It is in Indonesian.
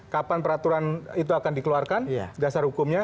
kapan peraturan itu akan dikeluarkan dasar hukumnya